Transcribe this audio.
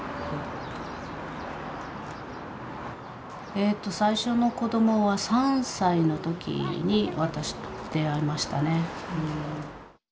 えっと最初の子どもは３歳の時に私出会いましたね。